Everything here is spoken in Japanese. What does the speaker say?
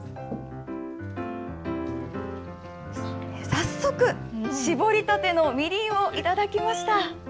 早速、搾りたてのみりんを頂きました。